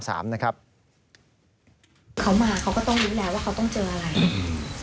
เขามาเขาก็ต้องรู้แล้วว่าเขาต้องเจออะไร